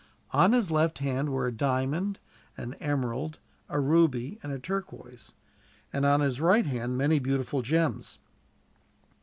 On his left hand were a diamond, an emerald, a ruby, and a turquoise, and on his right hand many beautiful gems.